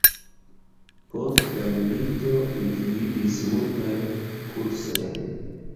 Post la milito li gvidis multajn kursojn.